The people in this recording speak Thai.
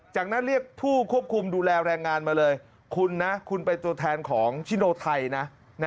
จากนั้นเรียกผู้ควบคุมดูแลแรงงานมาเลยคุณนะคุณเป็นตัวแทนของชิโนไทยนะ